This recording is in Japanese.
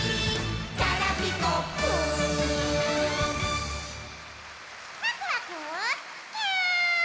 「ガラピコぷ」ワクワクキューン！